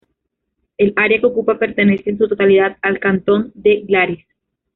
El área que ocupa pertenece en su totalidad al cantón de Glaris.